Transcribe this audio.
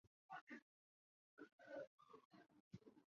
我们只能下车等